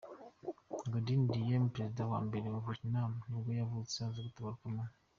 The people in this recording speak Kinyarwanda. Ngo Dinh Diem, perezida wa mbere wa Vietnam nibwo yavutse, aza gutabaruka mu .